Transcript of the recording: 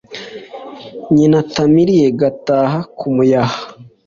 nyitamiriye ngataha kumuhaya.